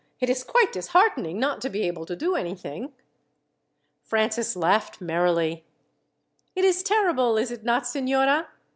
It is quite disheartening not to be able to do anything." Francis laughed merrily. "It is terrible, is it not, signora?